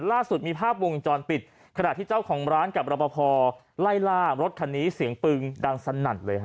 ล่าสุดมีภาพวงจรปิดขณะที่เจ้าของร้านกับรบพอไล่ล่ารถคันนี้เสียงปืนดังสนั่นเลยฮ